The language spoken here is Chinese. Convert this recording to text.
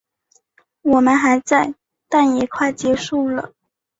我们还在，但也快结束了